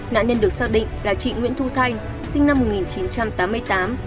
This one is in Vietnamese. nạn nhân được xác định là chị nguyễn thu thanh sinh năm một nghìn chín trăm tám mươi tám